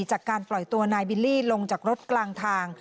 จากการปล่อยตัวนายบิลลี่ลงจากรถกลางทาง